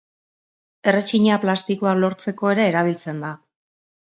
Erretxina plastikoak lortzeko ere erabiltzen da.